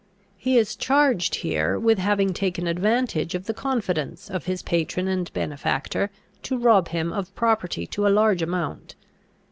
He is charged here with having taken advantage of the confidence of his patron and benefactor to rob him of property to a large amount.